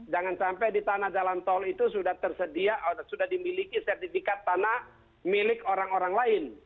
jangan sampai di tanah jalan tol itu sudah tersedia sudah dimiliki sertifikat tanah milik orang orang lain